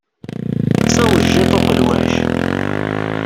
D tawejjiṭ uqelwac.